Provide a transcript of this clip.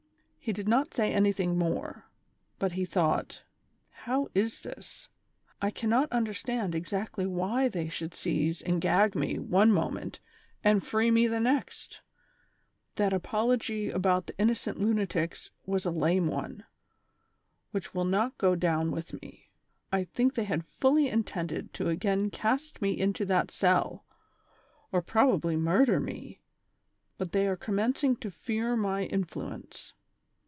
He did not say anything more, but he thought :" How is this ; I cannot understand exactly wliy they should seize and gag me one moment and free me the next ':* That apology about the innocent lunatics was a lame one, Avhicli will not go down with me. I think they had fully intended to again cast me into that cell, or pro bably mvn der me, but they are commencing to fear my in fluence.